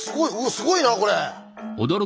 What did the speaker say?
すごいなこれ。